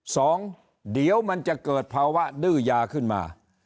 สองเดี๋ยวมันจะเกิดภาวะดื้อยาขึ้นมา